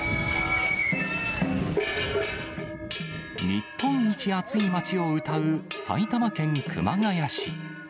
日本一暑い町をうたう、埼玉県熊谷市。